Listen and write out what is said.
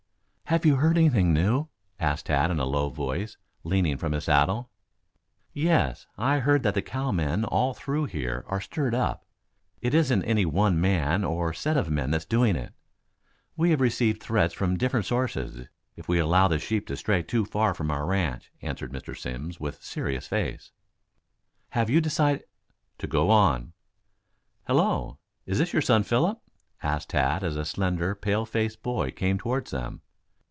"Have you heard anything new?" asked Tad, in a low voice, leaning from his saddle. "Yes. I heard that the cowmen all through here are stirred up. It isn't any one man or set of men that's doing it. We have received threats from different sources if we allow the sheep to stray from our own ranch," answered Mr. Simms, with serious face. "And you have decided ?" "To go on." "Hello, is this your son, Philip?" asked Tad, as a slender, pale faced boy came toward them.